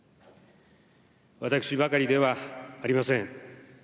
私ばかりではありません。